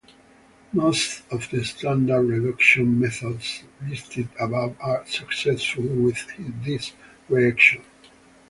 Most of the standard reduction methods listed above are successful with this reaction.